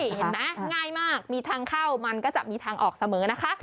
เห็นไหมง่ายมากมีทางเข้ามันก็จะมีทางออกเสมอนะคะ